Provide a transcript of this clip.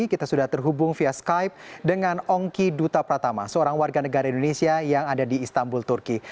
kita sudah terhubung via skype dengan ongki duta pratama seorang warga negara indonesia yang ada di istanbul turki